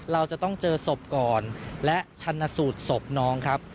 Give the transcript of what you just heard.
เราจะต้องเจอศพก่อนและชันสูตรศพน้องครับ